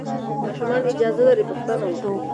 ماشومان اجازه لري پوښتنه وکړي.